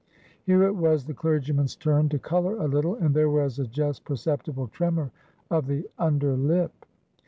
Here it was the clergyman's turn to color a little, and there was a just perceptible tremor of the under lip.